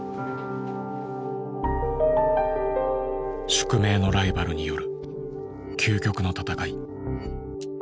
宿命のライバルによる究極の戦い。